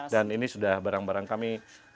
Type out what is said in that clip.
dan ini sudah barang barang kami